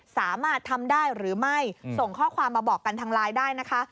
สามารถทำได้หรือไม่ส่งข้อความมาบอกกันทางไลน์ได้นะคะ